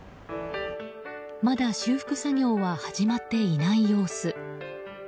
まだ修復作業は始まっていない様子。